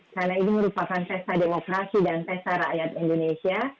karena ini merupakan tesa demokrasi dan tesa rakyat indonesia